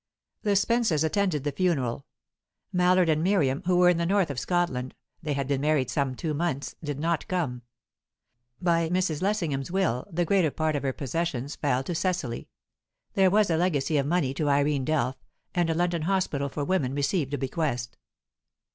The Spences attended the funeral. Mallard and Miriam, who were in the north of Scotland they had been married some two months did not come. By Mrs. Lessingham's will, the greater part of her possessions fell to Cecily; there was a legacy of money to Irene Delph, and a London hospital for women received a bequest.